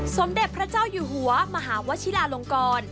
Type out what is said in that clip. สมเด็จพระเจ้าอยู่หัวมหาวชิลาลงกร